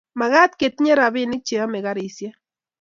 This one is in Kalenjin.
mekat kotinye robinik che chomei karisiek